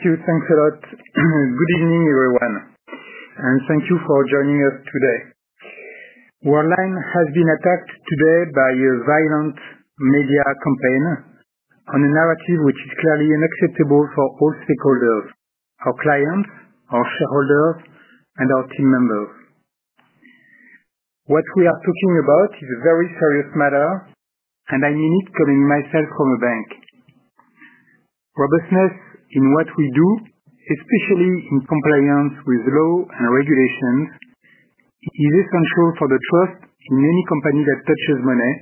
Thank you, thanks a lot, good evening everyone, and thank you for joining us today. Worldline has been attacked today by a violent media campaign on a narrative which is clearly unacceptable for all stakeholders: our clients, our shareholders, and our team members. What we are talking about is a very serious matter, and I mean it coming myself from a bank. Robustness in what we do, especially in compliance with law and regulations, is essential for the trust in any company that touches money,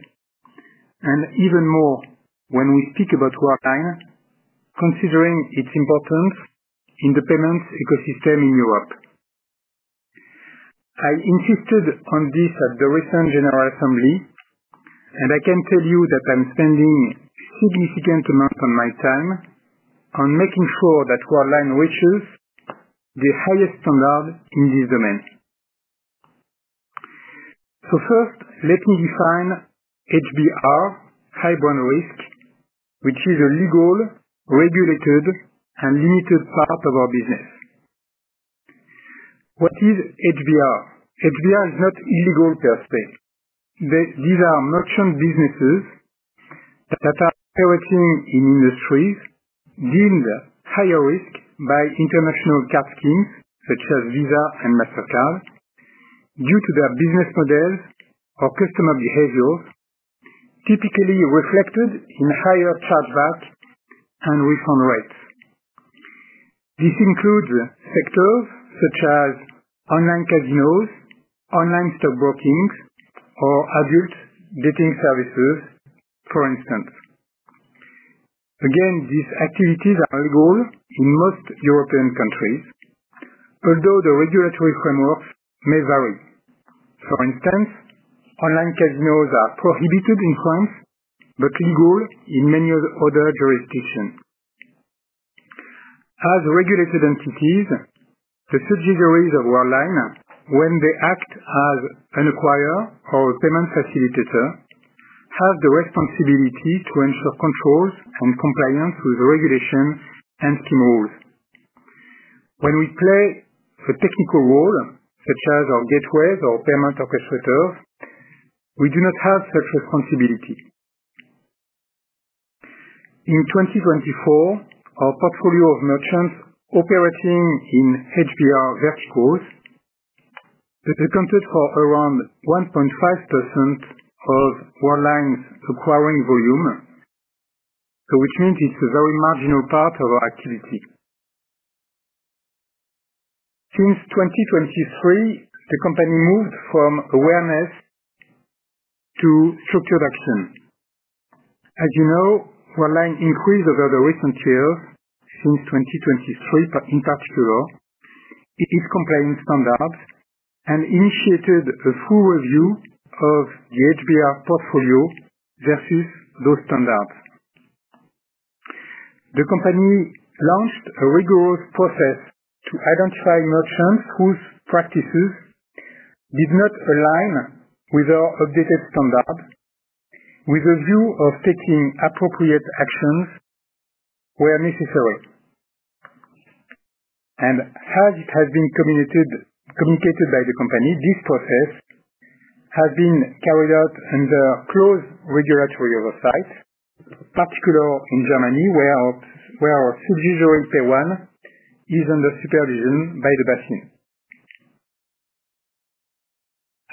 and even more when we speak about Worldline, considering its importance in the payments ecosystem in Europe. I insisted on this at the recent General Assembly, and I can tell you that I'm spending significant amounts of my time on making sure that Worldline reaches the highest standard in this domain. First, let me define HBR, High Burn Risk, which is a legal, regulated, and limited part of our business. What is HBR? HBR is not illegal per se. These are merchant businesses that are operating in industries deemed higher risk by international card schemes such as Visa and Mastercard due to their business models or customer behaviors, typically reflected in higher chargebacks and refund rates. This includes sectors such as online casinos, online stock broking, or adult dating services, for instance. Again, these activities are legal in most European countries, although the regulatory frameworks may vary. For instance, online casinos are prohibited in France but legal in many other jurisdictions. As regulated entities, the subsidiaries of Worldline, when they act as an acquirer or a payment facilitator, have the responsibility to ensure controls and compliance with regulation and scheme rules. When we play a technical role, such as our gateways or payment orchestrators, we do not have such responsibility. In 2024, our portfolio of merchants operating in HBR verticals accounted for around 1.5% of Worldline's acquiring volume, which means it's a very marginal part of our activity. Since 2023, the company moved from awareness to structured action. As you know, Worldline increased over the recent years, since 2023 in particular, its compliance standards and initiated a full review of the HBR portfolio versus those standards. The company launched a rigorous process to identify merchants whose practices did not align with our updated standards, with a view of taking appropriate actions where necessary. As it has been communicated by the company, this process has been carried out under close regulatory oversight, particularly in Germany, where our subsidiary is under supervision by BaFin.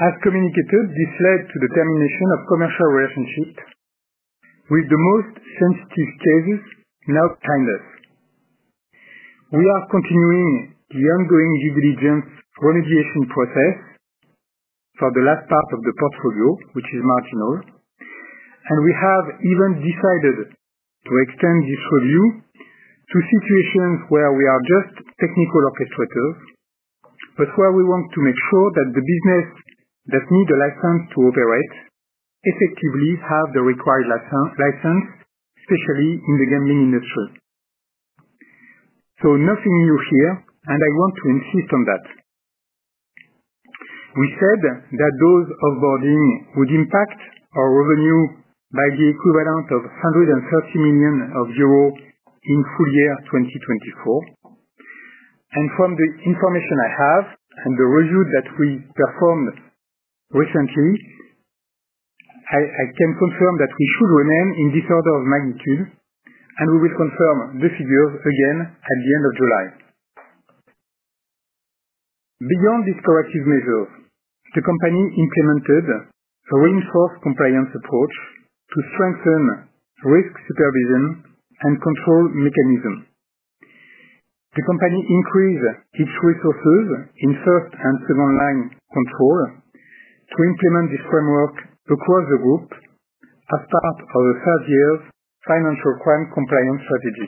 As communicated, this led to the termination of commercial relationships with the most sensitive cases now behind us. We are continuing the ongoing due diligence remediation process for the last part of the portfolio, which is marginal, and we have even decided to extend this review to situations where we are just technical orchestrators but where we want to make sure that the businesses that need a license to operate effectively have the required license, especially in the gambling industry. Nothing new here, and I want to insist on that. We said that those offboardings would impact our revenue by the equivalent of 130 million euro in full year 2024. From the information I have and the review that we performed recently, I can confirm that we should remain in this order of magnitude, and we will confirm the figures again at the end of July. Beyond these corrective measures, the company implemented a reinforced compliance approach to strengthen risk supervision and control mechanisms. The company increased its resources in first and second-line control to implement this framework across the group as part of the third year's financial crime compliance strategy.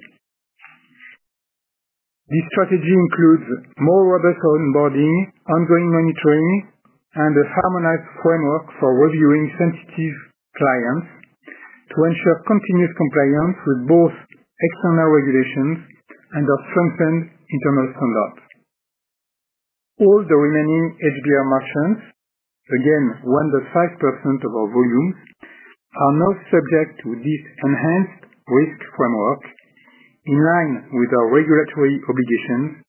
This strategy includes more robust onboarding, ongoing monitoring, and a harmonized framework for reviewing sensitive clients to ensure continuous compliance with both external regulations and our strengthened internal standards. All the remaining HBR merchants, again, 1.5% of our volumes, are now subject to this enhanced risk framework in line with our regulatory obligations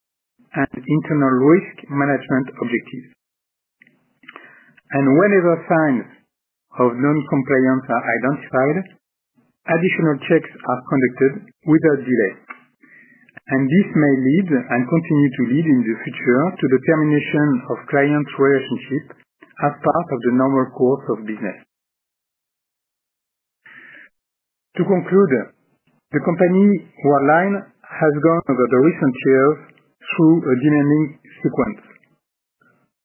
and internal risk management objectives. Whenever signs of non-compliance are identified, additional checks are conducted without delay. This may lead and continue to lead in the future to the termination of client relationships as part of the normal course of business. To conclude, the company Worldline has gone over the recent years through a demanding sequence.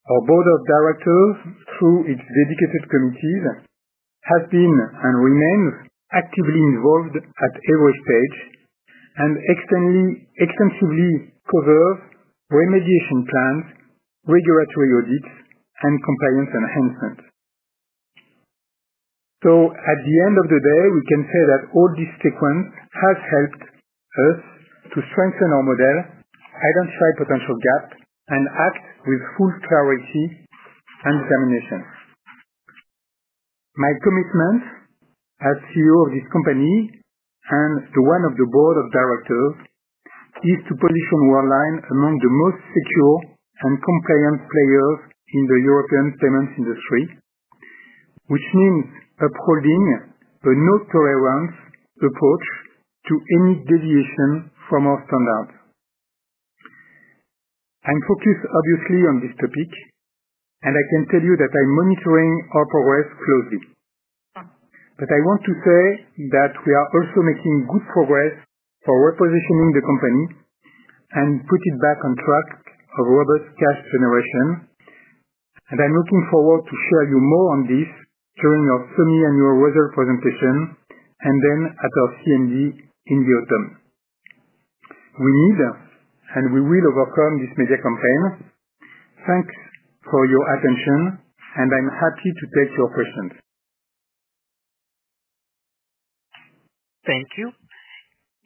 Our board of directors, through its dedicated committees, has been and remains actively involved at every stage and extensively covers remediation plans, regulatory audits, and compliance enhancements. At the end of the day, we can say that all this sequence has helped us to strengthen our model, identify potential gaps, and act with full clarity and determination. My commitment as CEO of this company and the one of the board of directors is to position Worldline among the most secure and compliant players in the European payments industry, which means upholding a no tolerance approach to any deviation from our standards. I'm focused, obviously, on this topic, and I can tell you that I'm monitoring our progress closely. I want to say that we are also making good progress for repositioning the company and putting it back on track of robust cash generation, and I'm looking forward to sharing more on this during our semi-annual results presentation and then at our CMD in the autumn. We need and we will overcome this media campaign. Thanks for your attention, and I'm happy to take your questions. Thank you.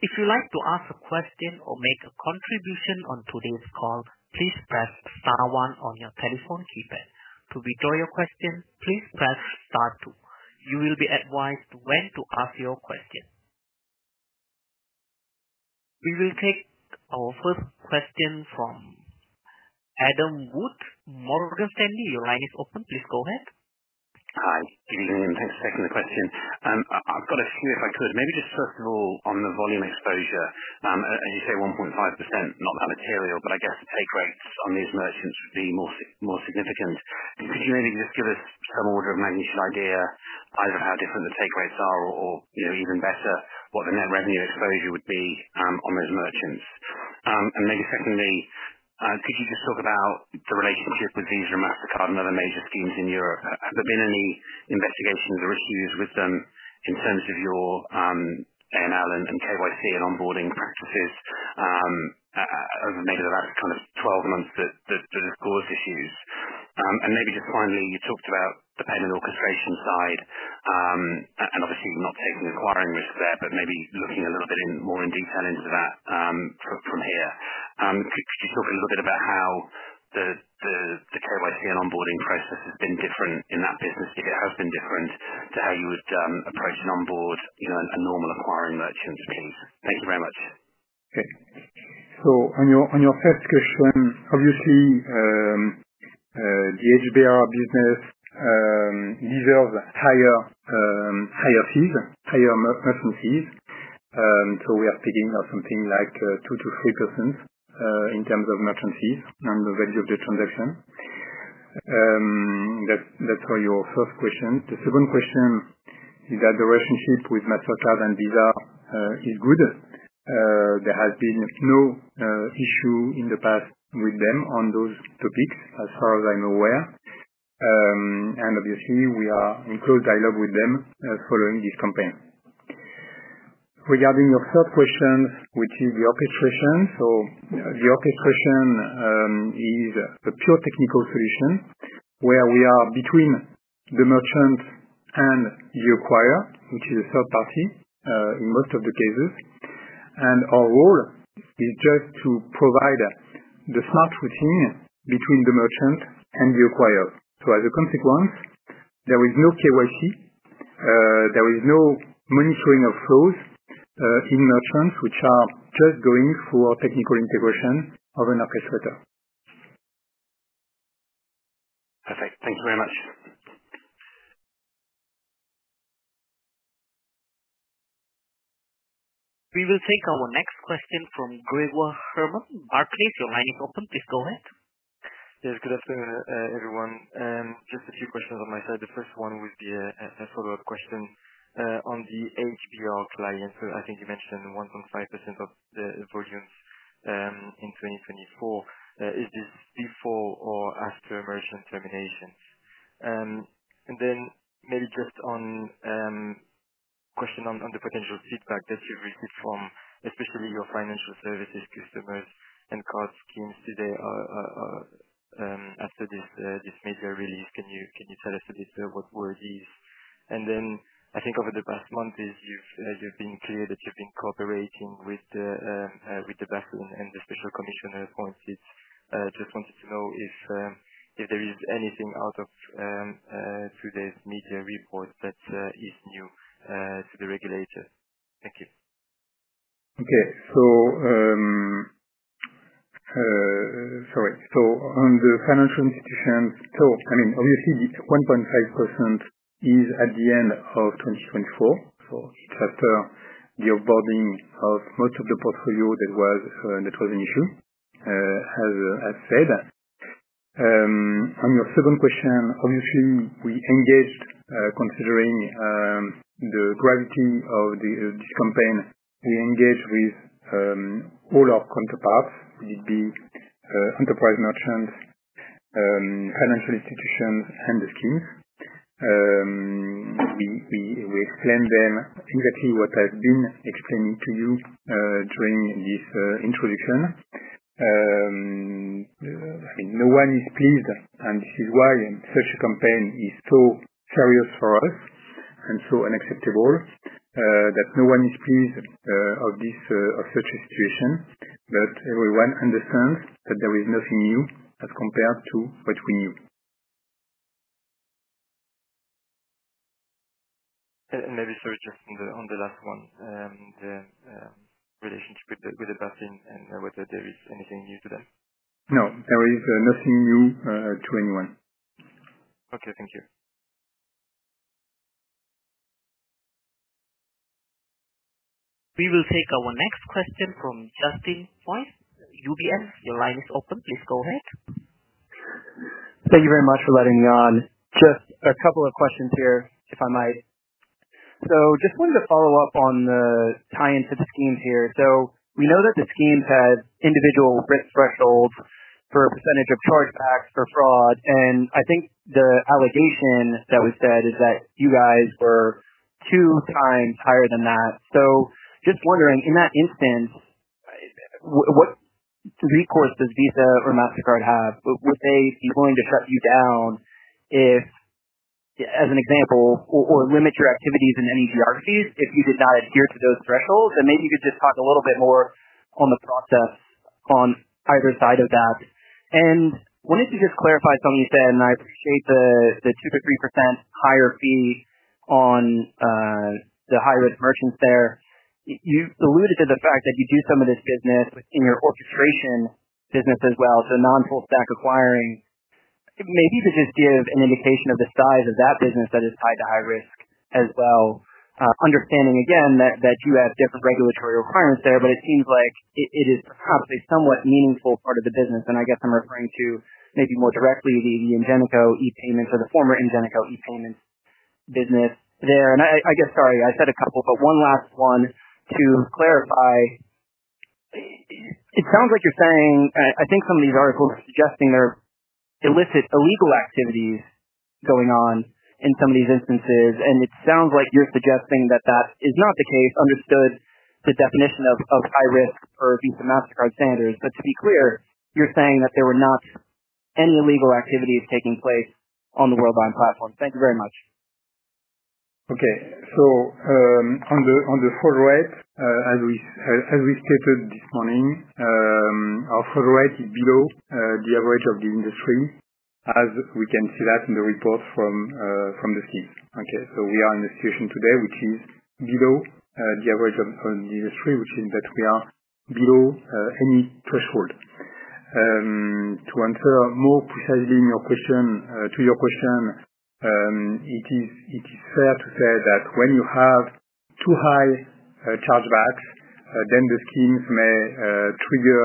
If you'd like to ask a question or make a contribution on today's call, please press star one on your telephone keypad. To withdraw your question, please press star two. You will be advised when to ask your question. We will take our first question from Adam Wood, Morgan Stanley. Your line is open. Please go ahead. Hi. Good evening. Thanks for taking the question. I've got a few, if I could. Maybe just first of all, on the volume exposure. As you say, 1.5%, not that material, but I guess the take rates on these merchants would be more significant. Could you maybe just give us some order of magnitude idea either of how different the take rates are or even better, what the net revenue exposure would be on those merchants? Maybe secondly, could you just talk about the relationship with Visa and Mastercard and other major schemes in Europe? Have there been any investigations or issues with them in terms of your A&L and KYC and onboarding practices over maybe the last kind of 12 months that have caused issues? Maybe just finally, you talked about the payment orchestration side and obviously not taking acquiring risk there, but maybe looking a little bit more in detail into that from here. Could you talk a little bit about how the KYC and onboarding process has been different in that business, if it has been different, to how you would approach and onboard a normal acquiring merchants, please? Thank you very much. Okay. On your first question, obviously, the HBR business deserves higher fees, higher merchant fees. We are speaking of something like 2-3% in terms of merchant fees and the value of the transaction. That is for your first question. The second question is that the relationship with Mastercard and Visa is good. There has been no issue in the past with them on those topics, as far as I am aware. Obviously, we are in close dialogue with them following this campaign. Regarding your third question, which is the orchestration, the orchestration is a pure technical solution where we are between the merchant and the acquirer, which is a third party in most of the cases. Our role is just to provide the smart routing between the merchant and the acquirer. As a consequence, there is no KYC. There is no monitoring of flows in merchants which are just going for technical integration of an orchestrator. Perfect. Thank you very much. We will take our next question from Grégoire Hermann, Barclays. Your line is open. Please go ahead. Yes. Good afternoon, everyone. Just a few questions on my side. The first one would be a follow-up question on the HBR clients. I think you mentioned 1.5% of the volumes in 2024. Is this before or after merchant terminations? Maybe just one question on the potential feedback that you've received from especially your financial services customers and card schemes today after this media release. Can you tell us a bit what were these? I think over the past month, you've been clear that you've been cooperating with the BaFin and the special commissioner appointed. Just wanted to know if there is anything out of today's media report that is new to the regulator. Thank you. Okay. Sorry. On the financial institutions, I mean, obviously, 1.5% is at the end of 2024. It is after the offboarding of most of the portfolio that was an issue, as said. On your second question, obviously, we engaged considering the gravity of this campaign. We engaged with all our counterparts, whether it be enterprise merchants, financial institutions, and the schemes. We explained to them exactly what I have been explaining to you during this introduction. I mean, no one is pleased, and this is why such a campaign is so serious for us and so unacceptable that no one is pleased with such a situation. Everyone understands that there is nothing new as compared to what we knew. Maybe, sorry, just on the last one, the relationship with [Charles-Henri de Taffin] and whether there is anything new to them? No. There is nothing new to anyone. Okay. Thank you. We will take our next question from Justin Forsythe, UBS. Your line is open. Please go ahead. Thank you very much for letting me on. Just a couple of questions here, if I might. Just wanted to follow up on the tie-in to the schemes here. We know that the schemes have individual risk thresholds for a percentage of chargebacks for fraud, and I think the allegation that was said is that you guys were two times higher than that. Just wondering, in that instance, what recourse does Visa or Mastercard have? Would they be willing to shut you down if, as an example, or limit your activities in any geographies if you did not adhere to those thresholds? Maybe you could just talk a little bit more on the process on either side of that. I wanted to just clarify something you said, and I appreciate the 2%-3% higher fee on the high-risk merchants there. You alluded to the fact that you do some of this business in your orchestration business as well, so non-full-stack acquiring. Maybe you could just give an indication of the size of that business that is tied to high risk as well, understanding, again, that you have different regulatory requirements there, but it seems like it is perhaps a somewhat meaningful part of the business. I guess I'm referring to maybe more directly the Ingenico e-payments or the former Ingenico e-payments business there. I guess, sorry, I said a couple, but one last one to clarify. It sounds like you're saying I think some of these articles are suggesting there are illicit illegal activities going on in some of these instances, and it sounds like you're suggesting that that is not the case, understood the definition of high risk per Visa MasterCard standards. To be clear, you're saying that there were not any illegal activities taking place on the Worldline platform. Thank you very much. Okay. On the forward, as we stated this morning, our forward is below the average of the industry, as we can see that in the report from the schemes. We are in a situation today which is below the average of the industry, which is that we are below any threshold. To answer more precisely to your question, it is fair to say that when you have too high chargebacks, the schemes may trigger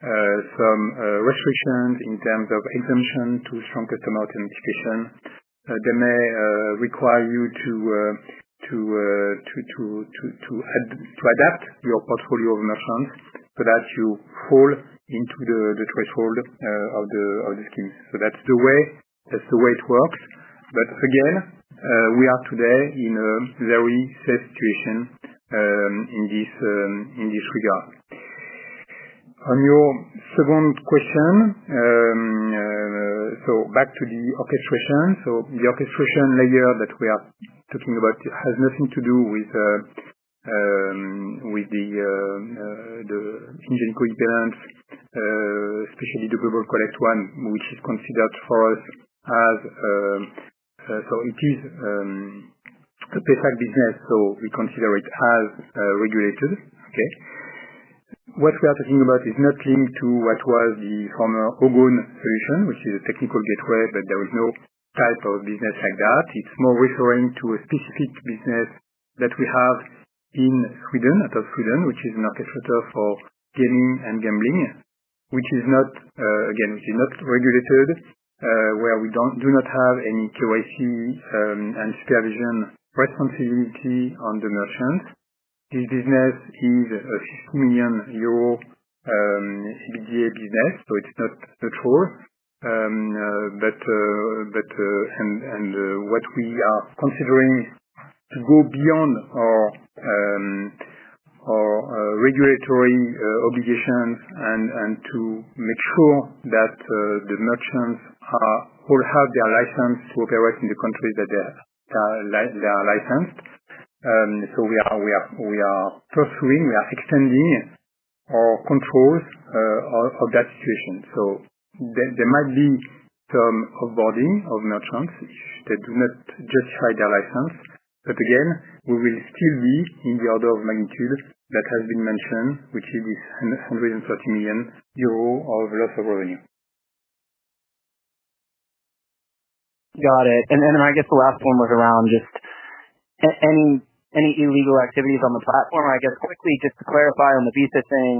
some restrictions in terms of exemption to strong customer authentication. They may require you to adapt your portfolio of merchants so that you fall into the threshold of the schemes. That is the way it works. Again, we are today in a very safe situation in this regard. On your second question, back to the orchestration. The orchestration layer that we are talking about has nothing to do with the Ingenico e-Payments, especially the Global Collect one, which is considered for us as, so it is a payback business, so we consider it as regulated. Okay. What we are talking about is not linked to what was the former Ögon solution, which is a technical gateway, but there is no type of business like that. It is more referring to a specific business that we have in Sweden, out of Sweden, which is an orchestrator for gaming and gambling, which is not, again, which is not regulated, where we do not have any KYC and supervision responsibility on the merchants. This business is a 50 million euro EBITDA business, so it is not true. What we are considering is to go beyond our regulatory obligations and to make sure that the merchants all have their license to operate in the countries that they are licensed. We are pursuing, we are extending our controls of that situation. There might be some offboarding of merchants if they do not justify their license. Again, we will still be in the order of magnitude that has been mentioned, which is this 130 million euro of loss of revenue. Got it. I guess the last one was around just any illegal activities on the platform. I guess quickly, just to clarify on the Visa thing,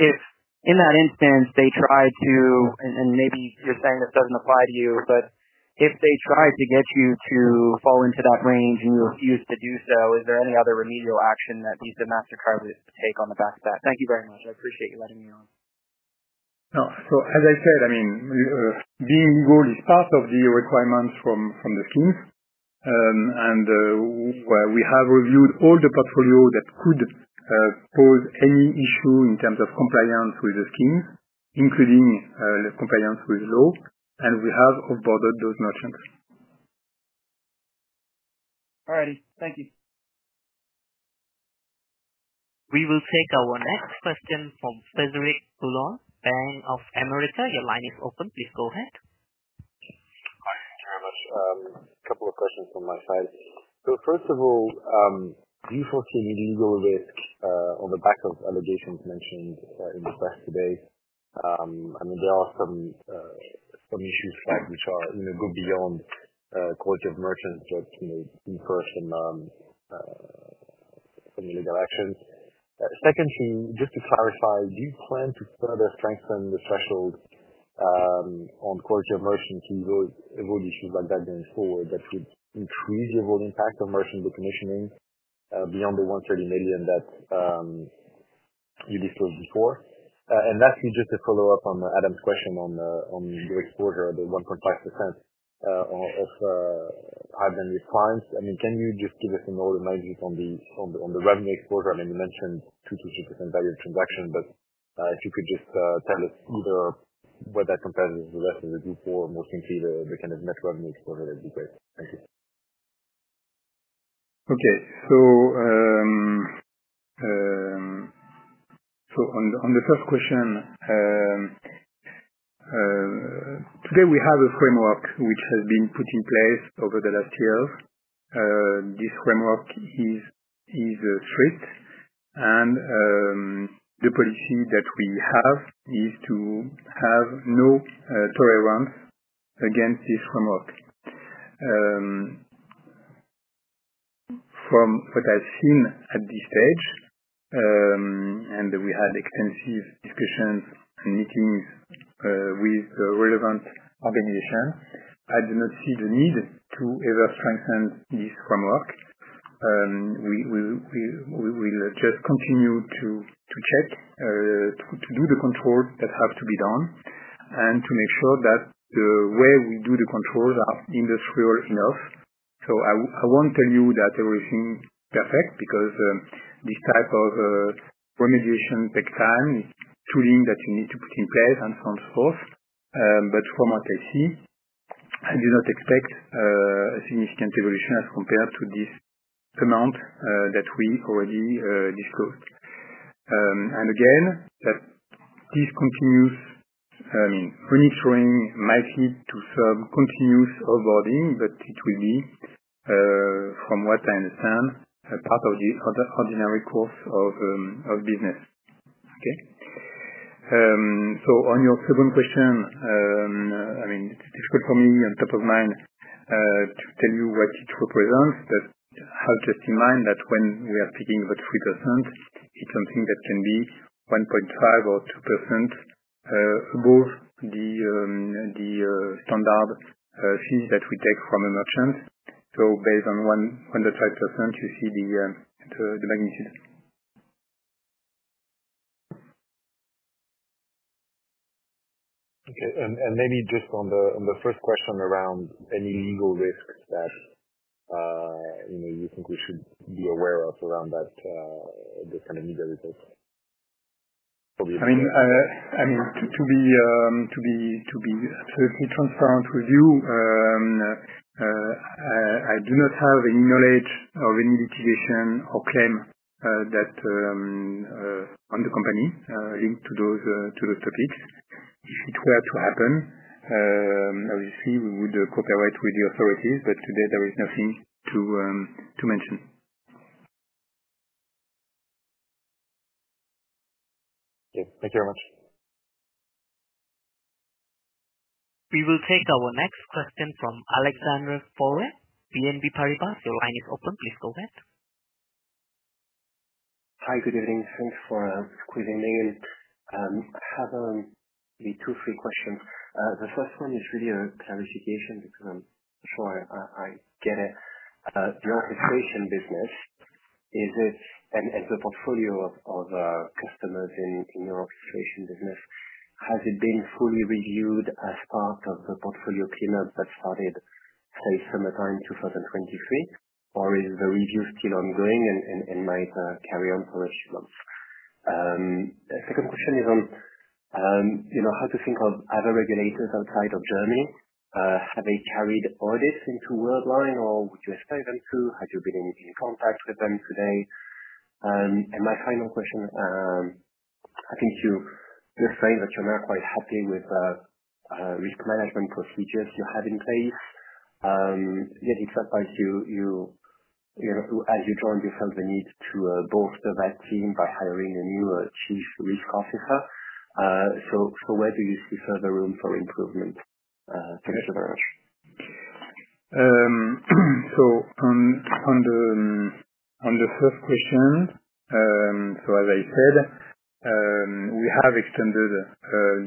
if in that instance they tried to—and maybe you're saying this does not apply to you—but if they tried to get you to fall into that range and you refused to do so, is there any other remedial action that Visa and Mastercard would take on the back of that? Thank you very much. I appreciate you letting me on. No. As I said, I mean, being legal is part of the requirements from the schemes. We have reviewed all the portfolio that could pose any issue in terms of compliance with the schemes, including compliance with law, and we have offboarded those merchants. All righty. Thank you. We will take our next question from Frederic Boulan, Bank of America. Your line is open. Please go ahead. Hi. Thank you very much. A couple of questions from my side. First of all, do you foresee any legal risk on the back of allegations mentioned in the press today? I mean, there are some issues flagged which go beyond quality of merchants that may incur some illegal actions. Secondly, just to clarify, do you plan to further strengthen the threshold on quality of merchants to avoid issues like that going forward that would increase your role impact of merchant decommissioning beyond the 130 million that you disclosed before? Lastly, just to follow up on Adam's question on the exposure of the 1.5% of high-value clients, I mean, can you just give us an overall magnitude on the revenue exposure? I mean, you mentioned 2-3% value of transaction, but if you could just tell us either whether that compares with the rest of the group or more simply the kind of net revenue exposure, that would be great. Thank you. Okay. On the first question, today we have a framework which has been put in place over the last years. This framework is strict, and the policy that we have is to have no tolerance against this framework. From what I've seen at this stage, and we had extensive discussions and meetings with the relevant organizations, I do not see the need to ever strengthen this framework. We will just continue to check, to do the controls that have to be done, and to make sure that the way we do the controls is industrial enough. I won't tell you that everything is perfect because this type of remediation takes time, tooling that you need to put in place, and so on and so forth. From what I see, I do not expect a significant evolution as compared to this amount that we already disclosed. Again, that this continues, I mean, monitoring might lead to some continuous offboarding, but it will be, from what I understand, part of the ordinary course of business. Okay. On your second question, I mean, it's difficult for me on top of mind to tell you what it represents, but have just in mind that when we are speaking about 3%, it's something that can be 1.5% or 2% above the standard fees that we take from a merchant. Based on 1.5%, you see the magnitude. Okay. Maybe just on the first question around any legal risks that you think we should be aware of around the kind of media reports? I mean, to be absolutely transparent with you, I do not have any knowledge of any litigation or claim on the company linked to those topics. If it were to happen, obviously, we would cooperate with the authorities, but today there is nothing to mention. Okay. Thank you very much. We will take our next question from Alexandre Ferre, BNP Paribas. Your line is open. Please go ahead. Hi. Good evening. Thanks for squeezing me in. I have maybe two, three questions. The first one is really a clarification because I am sure I get it. The orchestration business, and the portfolio of customers in your orchestration business, has it been fully reviewed as part of the portfolio cleanup that started, say, summertime 2023? Or is the review still ongoing and might carry on for a few months? The second question is on how to think of other regulators outside of Germany. Have they carried audits into Worldline, or would you expect them to? Have you been in contact with them today? My final question, I think you just said that you are not quite happy with the risk management procedures you have in place. Yet it is not like as you joined, you felt the need to bolster that team by hiring a new Chief Risk Officer. Where do you see further room for improvement? Thank you very much. On the first question, as I said, we have extended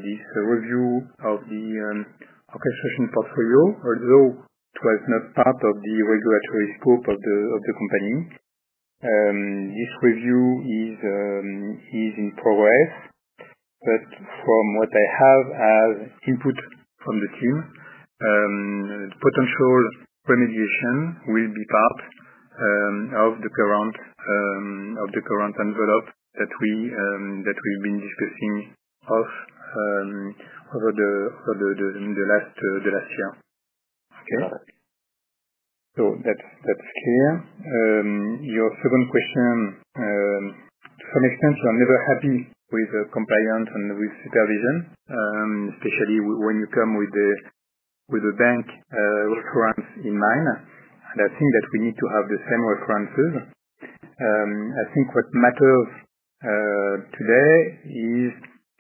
this review of the orchestration portfolio, although it was not part of the regulatory scope of the company. This review is in progress, but from what I have as input from the team, potential remediation will be part of the current envelope that we've been discussing over the last year. Okay. Got it. That is clear. Your second question, to some extent, you are never happy with compliance and with supervision, especially when you come with a bank reference in mind. I think that we need to have the same references. I think what matters today is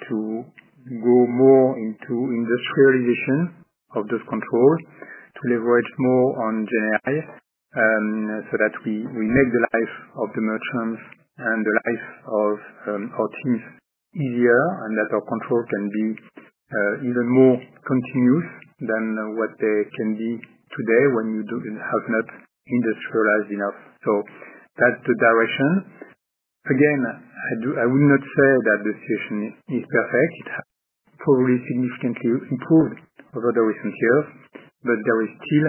to go more into industrialization of those controls, to leverage more on GenAI so that we make the life of the merchants and the life of our teams easier, and that our control can be even more continuous than what they can be today when you have not industrialized enough. That is the direction. Again, I would not say that the situation is perfect. It has probably significantly improved over the recent years, but there is still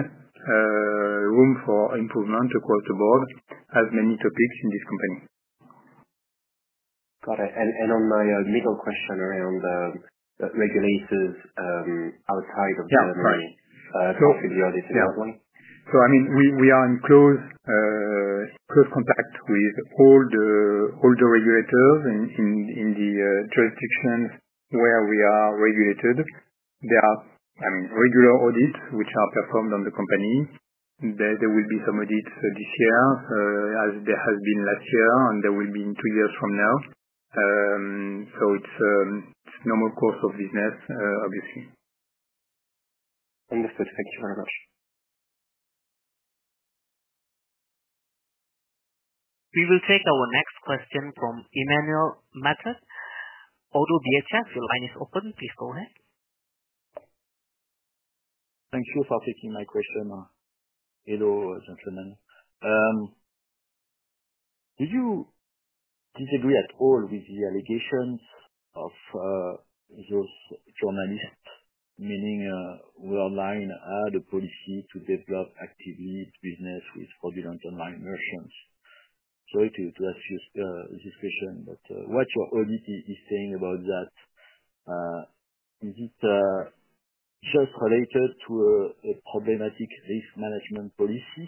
room for improvement across the board as many topics in this company. Got it. On my middle question around regulators outside of Germany, could you add it to that one? Yeah. I mean, we are in close contact with all the regulators in the jurisdictions where we are regulated. There are, I mean, regular audits which are performed on the company. There will be some audits this year as there have been last year, and there will be in two years from now. It is a normal course of business, obviously. Understood. Thank you very much. We will take our next question from Emmanuel Matot, ODDO BHF. Your line is open. Please go ahead. Thank you for taking my question, hello gentlemen. Do you disagree at all with the allegations of those journalists, meaning Worldline, had a policy to develop actively business with Provident Online merchants? Sorry to ask you this question, but what your audit is saying about that, is it just related to a problematic risk management policy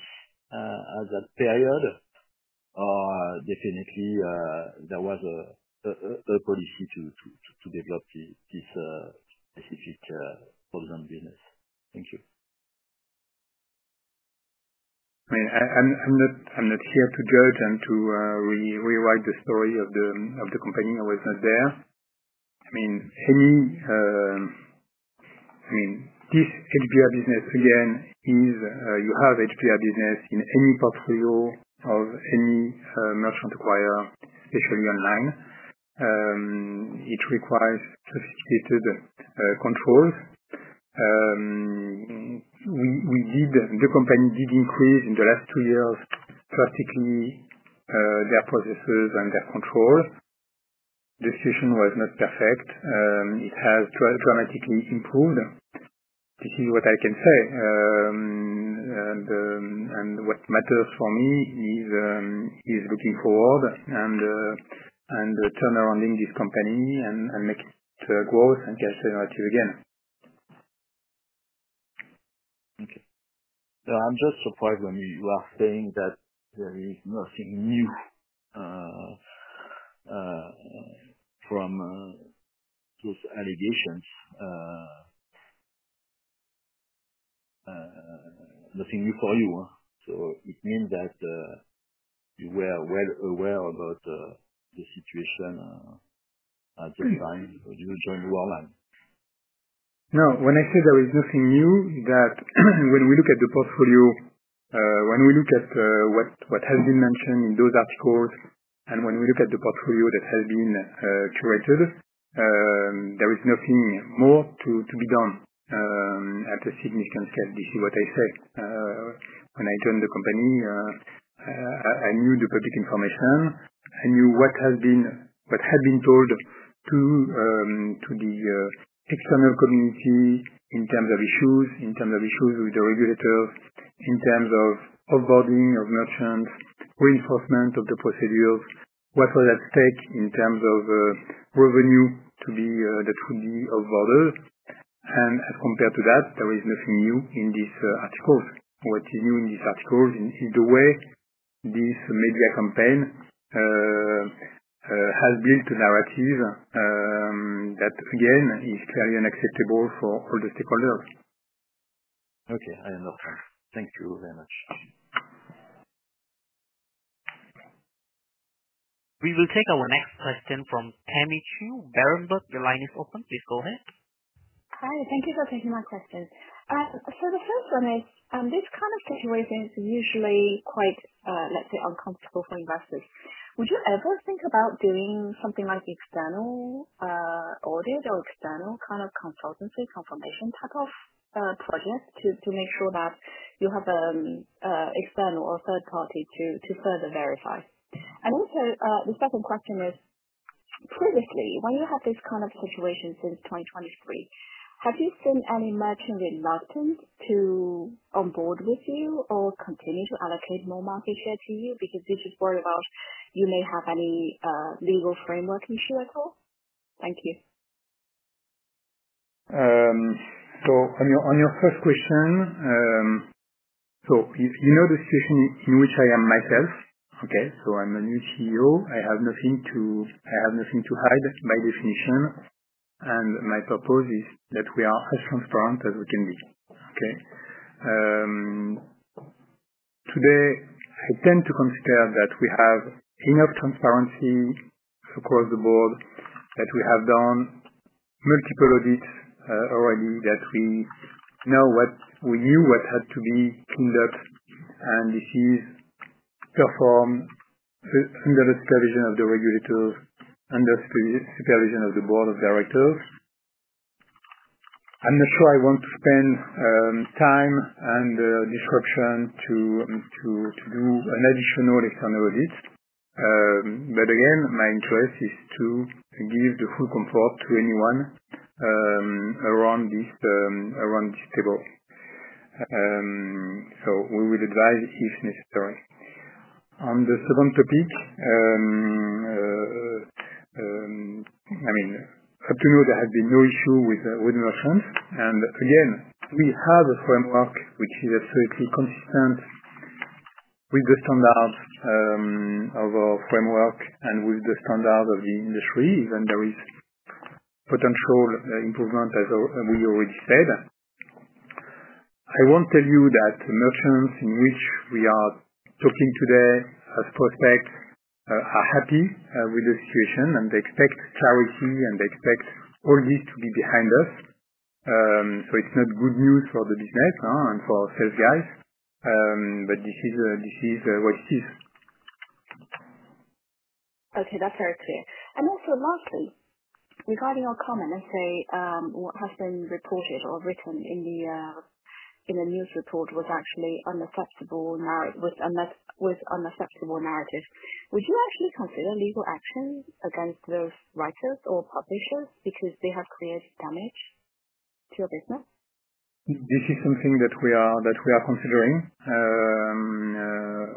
at that period, or definitely there was a policy to develop this specific Provident business? Thank you. I mean, I'm not here to judge and to rewrite the story of the company. I was not there. I mean, this HBR business, again, you have HBR business in any portfolio of any merchant acquirer, especially online. It requires sophisticated controls. The company did increase in the last two years drastically their processes and their controls. The situation was not perfect. It has dramatically improved. This is what I can say. What matters for me is looking forward and turnarounding this company and making it growth and cash generative again. Okay. I'm just surprised when you are saying that there is nothing new from those allegations. Nothing new for you. It means that you were well aware about the situation at the time you joined Worldline. No. When I say there is nothing new, that when we look at the portfolio, when we look at what has been mentioned in those articles, and when we look at the portfolio that has been curated, there is nothing more to be done at a significant scale. This is what I say. When I joined the company, I knew the public information. I knew what had been told to the external community in terms of issues, in terms of issues with the regulators, in terms of offboarding of merchants, reinforcement of the procedures, what was at stake in terms of revenue that would be offboarded. As compared to that, there is nothing new in these articles. What is new in these articles is the way this media campaign has built a narrative that, again, is clearly unacceptable for all the stakeholders. Okay. I understand. Thank you very much. We will take our next question from Tammy Qiu, Berenberg. Your line is open. Please go ahead. Hi. Thank you for taking my question. The first one is, this kind of situation is usually quite, let's say, uncomfortable for investors. Would you ever think about doing something like external audit or external kind of consultancy confirmation type of project to make sure that you have an external or third party to further verify? Also, the second question is, previously, when you have this kind of situation since 2023, have you seen any merchant reluctant to onboard with you or continue to allocate more market share to you because you are just worried about you may have any legal framework issue at all? Thank you. On your first question, you know the situation in which I am myself. Okay. I am a new CEO. I have nothing to hide by definition. My purpose is that we are as transparent as we can be. Okay. Today, I tend to consider that we have enough transparency across the board, that we have done multiple audits already, that we knew what had to be cleaned up, and this is performed under the supervision of the regulators, under supervision of the board of directors. I am not sure I want to spend time and disruption to do an additional external audit. Again, my interest is to give the full comfort to anyone around this table. We will advise if necessary. On the second topic, I mean, up to now, there has been no issue with merchants. We have a framework which is absolutely consistent with the standards of our framework and with the standards of the industry, even though there is potential improvement, as we already said. I will not tell you that the merchants in which we are talking today as prospects are happy with the situation, and they expect clarity, and they expect all this to be behind us. It is not good news for the business and for our sales guys, but this is what it is. Okay. That's very clear. Also, lastly, regarding your comment and say what has been reported or written in the news report was actually unacceptable narrative, would you actually consider legal action against those writers or publishers because they have created damage to your business? This is something that we are considering,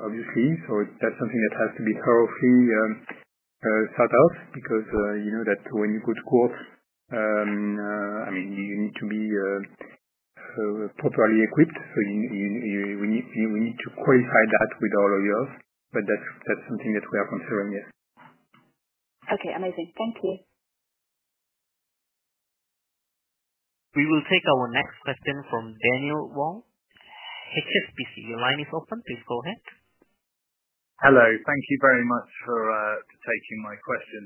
obviously. That is something that has to be thoroughly sought out because, you know, when you go to court, I mean, you need to be properly equipped. We need to qualify that with our lawyers. That is something that we are considering, yes. Okay. Amazing. Thank you. We will take our next question from Daniel Wong, HSBC. Your line is open. Please go ahead. Hello. Thank you very much for taking my question.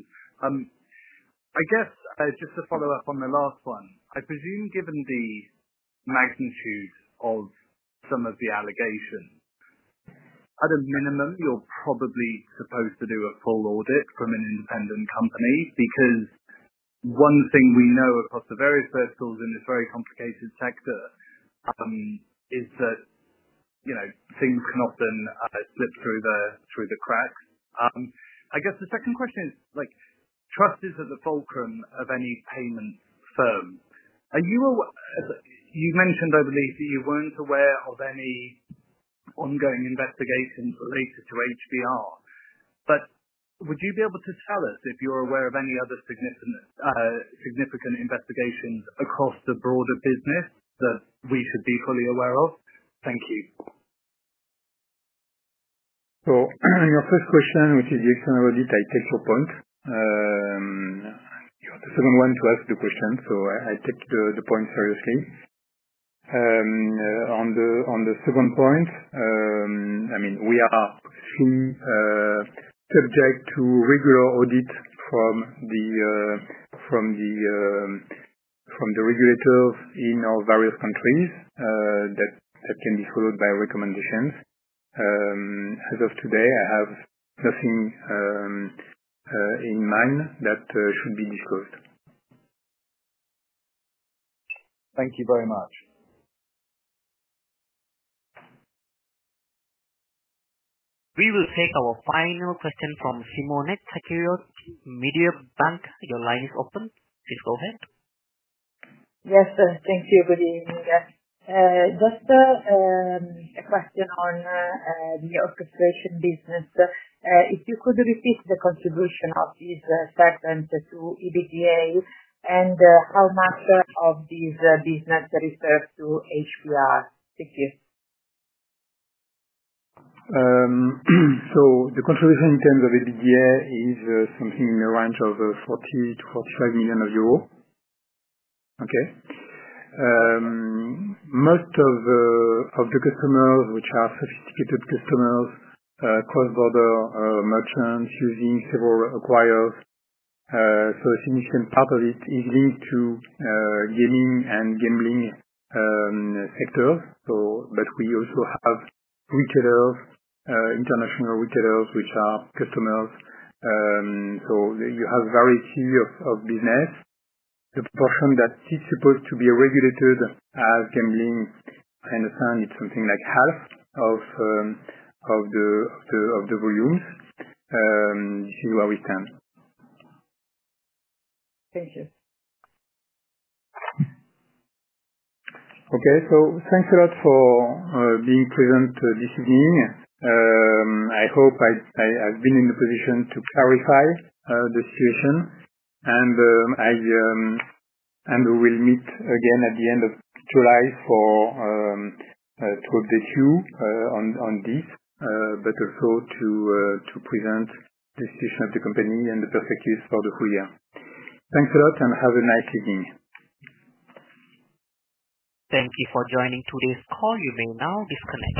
I guess just to follow up on the last one, I presume given the magnitude of some of the allegations, at a minimum, you're probably supposed to do a full audit from an independent company because one thing we know across the various verticals in this very complicated sector is that things can often slip through the cracks. I guess the second question is, trust is at the fulcrum of any payment firm. You mentioned, I believe, that you weren't aware of any ongoing investigations related to HBR, but would you be able to tell us if you're aware of any other significant investigations across the broader business that we should be fully aware of? Thank you. On your first question, which is the external audit, I take your point. You are the second one to ask the question, so I take the point seriously. On the second point, I mean, we are subject to regular audit from the regulators in our various countries that can be followed by recommendations. As of today, I have nothing in mind that should be disclosed. Thank you very much. We will take our final question from Simonette Tacheros, Mediobanca. Your line is open. Please go ahead. Yes. Thank you. Good evening. Just a question on the orchestration business. If you could repeat the contribution of these servants to EBITDA and how much of this business refers to HBR? Thank you. The contribution in terms of EBITDA is something in the range of 40 million-45 million euros. Okay. Most of the customers, which are sophisticated customers, cross-border merchants using several acquirers, so a significant part of it is linked to gaming and gambling sectors. We also have retailers, international retailers, which are customers. You have variety of business. The portion that is supposed to be regulated as gambling, I understand it's something like half of the volumes. This is where we stand. Thank you. Okay. Thanks a lot for being present this evening. I hope I have been in a position to clarify the situation, and we will meet again at the end of July to update you on this, but also to present the situation of the company and the perspectives for the full year. Thanks a lot and have a nice evening. Thank you for joining today's call. You may now disconnect.